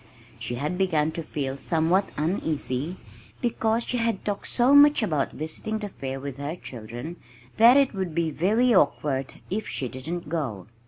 She had begun to feel somewhat uneasy, because she had talked so much about visiting the fair with her children that it would be very awkward if she didn't go.